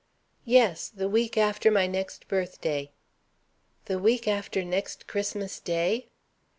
"Yes; the week after my next birthday." "The week after next Christmas day?"